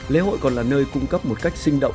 lễ hội còn là nơi cung cấp một cách sinh động